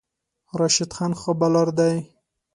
راشد خان ښه بالر دی